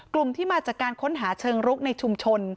กลุ่มที่มาจากการค้นหาเชิงรุกในชุมชน